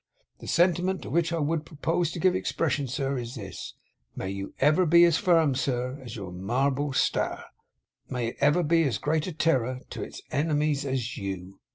The sentiment Toe which I would propose to give ex pression, sir, is this: "May you ever be as firm, sir, as your marble statter! May it ever be as great a terror Toe its ene mies as you."